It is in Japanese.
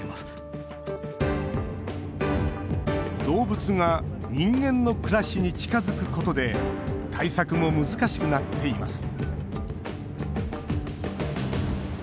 動物が人間の暮らしに近づくことで対策も難しくなっています